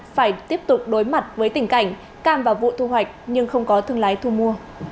phải tiếp tục đối mặt với tình cảnh cam vào vụ thu hoạch nhưng không có thương lái thu mua